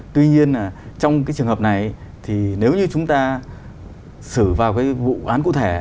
tuy nhiên là trong cái trường hợp này thì nếu như chúng ta xử vào cái vụ án cụ thể